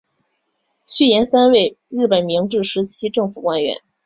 续彦三为日本明治时期政府官员。